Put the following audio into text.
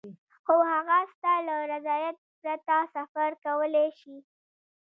خو هغه ستا له رضایت پرته سفر کولای شي.